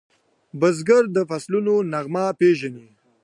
بزګر د فصلونو نغمه پیژني